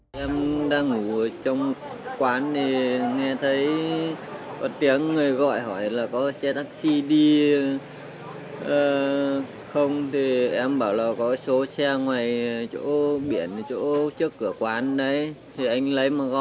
xong gọi anh trai em